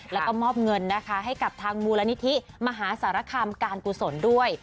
แล้วก็มอบเงินนะคะให้กับทางมูลนิธิมหาสารคามการกุศลด้วย